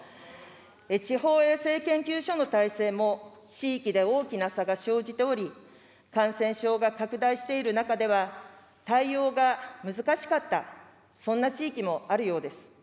地方衛生研究所の体制も、地域で大きな差が生じており、感染症が拡大している中では、対応が難しかった、そんな地域もあるようです。